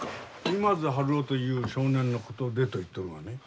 今津春男という少年のことでと言っとるがね。